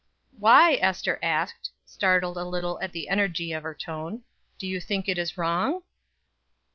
"Why," Ester asked, startled a little at the energy of her tone, "do you think it is wrong?"